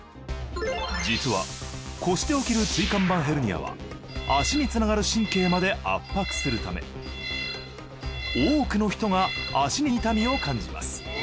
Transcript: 実は腰で起きる椎間板ヘルニアは足につながる神経まで圧迫するため多くの人が足に痛みを感じます。